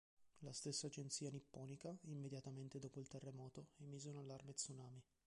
La stessa agenzia nipponica, immediatamente dopo il terremoto, emise un allarme tsunami.